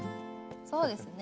そうですね